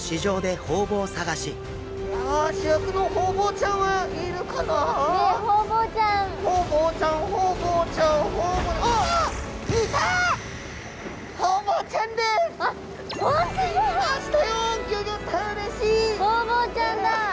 ホウボウちゃんだ！